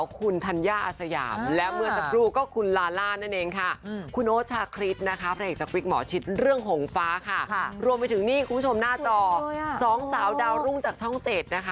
คุณโอชาคริสณ์นะครับเลขจากวิทย์หมอชิดเรื่องหงฟ้าค่ะค่ะรวมไปถึงนี้คุณผู้ชมหน้าจอ๒สาวดาวรุ่งจากช่องเจด